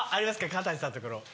川谷さんのところ。